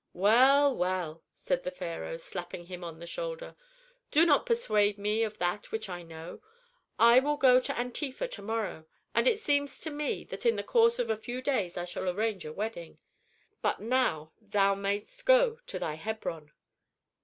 "Well, well," said the pharaoh, slapping him on the shoulder, "do not persuade me of that which I know. I will go to Antefa to morrow and it seems to me that in the course of a few days I shall arrange a wedding. But now thou mayst go to thy Hebron."